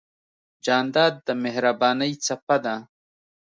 جانداد د مهربانۍ څپه ده.